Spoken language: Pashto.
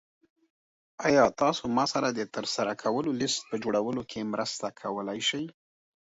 ایا تاسو ما سره د ترسره کولو لیست په جوړولو کې مرسته کولی شئ؟